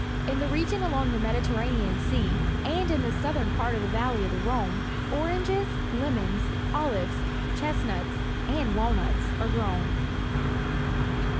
In the region along the ]Mediterranean Sea, and in the southern part of the vallej of the Rhone, oranges^ lemons, olives, chestnuts, and walnuts are grown.